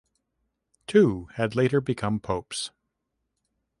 Two had later become popes.